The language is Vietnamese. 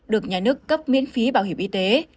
được nhà nước cấp miễn phí bảo hiểm y tế